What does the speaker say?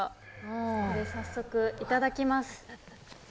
早速いただきます。